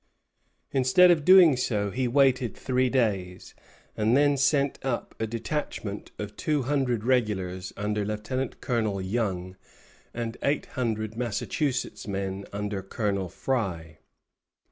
Instead of doing so he waited three days, and then sent up a detachment of two hundred regulars under Lieutenant Colonel Young, and eight hundred Massachusetts men under Colonel Frye.